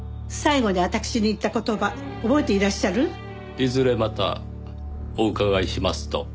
いずれまたお伺いしますと。